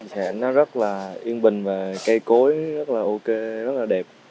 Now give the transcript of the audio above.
thành ra nó rất là yên bình và cây cối rất là ok rất là đẹp